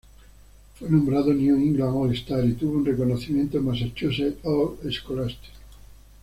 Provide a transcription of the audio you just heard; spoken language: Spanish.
Fue nombrado "New England All-Star" y tuvo un reconocimiento "Massachusetts All-Scholastic".